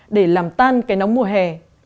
để làm tan cái nóng mùa hè